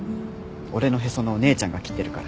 俺のへその緒姉ちゃんが切ってるから。